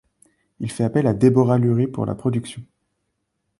Il fait appel à Deborah Lurie pour la production.